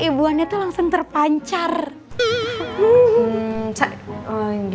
eh nggak ada ke province lagi